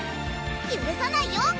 ゆるさないよ！